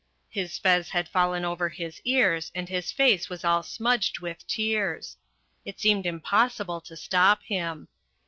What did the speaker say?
His fez had fallen over his ears and his face was all smudged with tears. It seemed impossible to stop him.